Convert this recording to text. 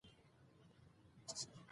د ولس ملاتړ د کړنو پایله ده